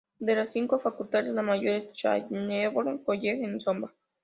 De las cinco facultades, la mayor es Chancellor College en Zomba.